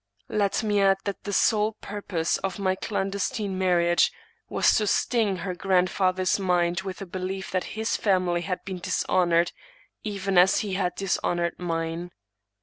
Let me add, that the sole purpose of my clandestine marriage was to sting her grandfather's mind with the belief that his family had been dishonored, even as he had dishonored mine.